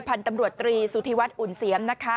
พันธุ์ตำรวจตรีสุธิวัฒน์อุ่นเสียมนะคะ